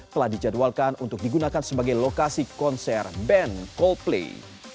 telah dijadwalkan untuk digunakan sebagai lokasi konser band coldplay